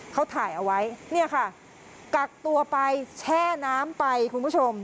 เขาถ่ายเอาไว้เนี่ยค่ะกักตัวไปแช่น้ำไปคุณผู้ชม